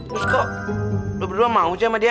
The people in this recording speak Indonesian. terus kok lo berdua mau aja sama dia